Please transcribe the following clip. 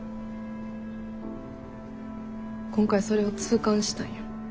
今回それを痛感したんよ。